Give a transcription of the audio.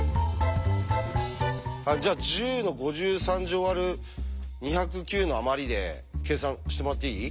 じゃあ１０の５３乗割る２０９のあまりで計算してもらっていい？